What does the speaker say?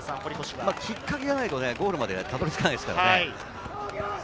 きっかけがないとゴールまで辿り着かないですからね。